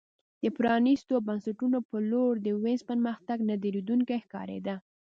د پرانیستو بنسټونو په لور د وینز پرمختګ نه درېدونکی ښکارېده